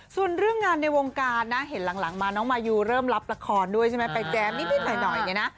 ส่วนเรื่องงานในวงการนะเห็นหลังมาน้องมายูเริ่มรับละครด้วยใช่ไหมไปแจมนิดหน่อยเนี่ยนะ